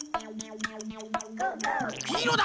きいろだ！